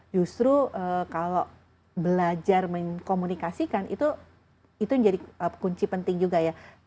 justru kalau belajar mengkomunikasikan itu menjadi kunci penting juga ya